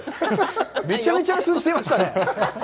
めちゃめちゃな数字出ましたね。